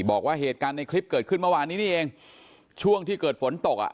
บอกว่าเหตุการณ์ในคลิปเกิดขึ้นเมื่อวานนี้นี่เองช่วงที่เกิดฝนตกอ่ะ